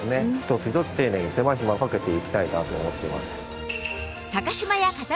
一つ一つ丁寧に手間暇かけていきたいなと思っています。